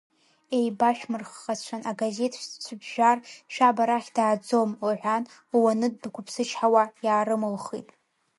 Еибашәмырххацәан, агазеҭ шәцәыԥжәар шәаб арахь дааӡом, — лҳәан, луанытә дқәыԥсычҳауа иаарымылхит.